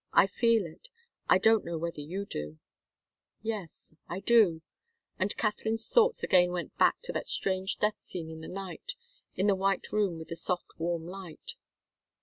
I feel it. I don't know whether you do." "Yes I do." And Katharine's thoughts again went back to that strange death scene in the night, in the white room with the soft, warm light.